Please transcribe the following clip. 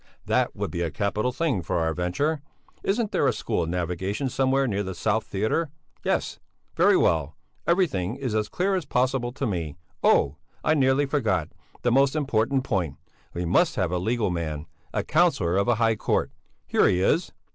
That would be a capital thing for our venture! Isn't there a School of Navigation somewhere near the South Theatre? Yes? Very well! Everything is as clear as possible to me. Oh! I nearly forgot the most important point. We must have a legal man! A counsellor of a high court. Here he is!"